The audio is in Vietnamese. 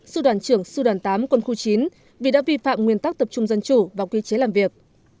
sư đoàn trưởng sư đoàn tám quân khu chín vì đã vi phạm nguyên tắc tập trung dân chủ và quy chế làm việc